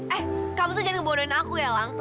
eh kamu tuh jangan ngebodohin aku ya lang